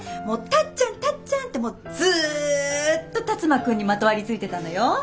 もう「タッちゃんタッちゃん」ってもうずっと辰馬くんにまとわりついてたのよ。